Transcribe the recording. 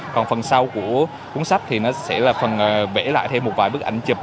còn phần sau của cuốn sách thì nó sẽ là phần bể lại thêm một vài bức ảnh chụp